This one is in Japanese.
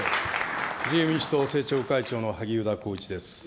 自由民主党政調会長の萩生田光一です。